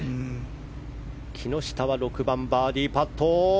木下は６番、バーディーパット。